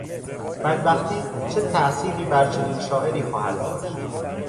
بدبختی چه تاءثیری بر چنین شاعری خواهد داشت؟